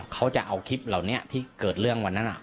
เขาจะเอาคลิปเหล่านี้ที่เกิดเรื่องวันนั้น